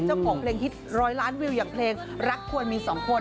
เจ้าของเพลงฮิตร้อยล้านวิวอย่างเพลงรักควรมี๒คน